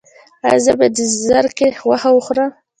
ایا زه باید د زرکې غوښه وخورم؟